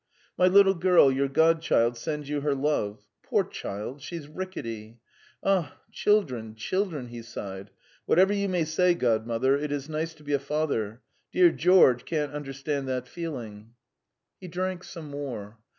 "My little girl, your godchild, sends you her love. Poor child! she's rickety. Ah, children, children!" he sighed. "Whatever you may say, Godmother, it is nice to be a father. Dear George can't understand that feeling." He drank some more.